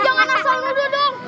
kalian jangan asal nuduh dong